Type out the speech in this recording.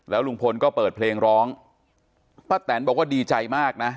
ลุงพลก็เปิดเพลงร้องป้าแตนบอกว่าดีใจมากนะ